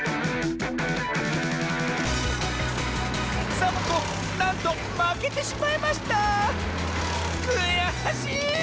サボ子なんとまけてしまいましたくやしい！